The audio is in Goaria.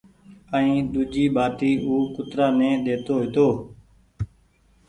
ائين ۮوجي ٻآٽي او ڪترآ ني ڏيتو هيتو